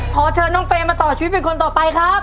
ขอเชิญน้องเฟรมมาต่อชีวิตเป็นคนต่อไปครับ